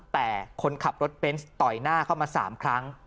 แต่คนขับรถเบนส์ต่อยหน้าเข้ามา๓ครั้ง